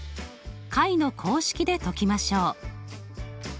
解の公式で解きましょう。